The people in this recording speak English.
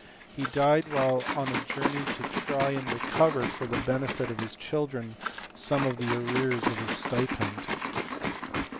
He died while on a journey to try and recover for the benefit of his children some of the arrears of his stipend.